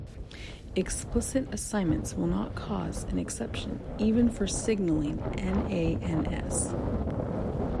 Explicit assignments will not cause an exception even for signaling NaNs.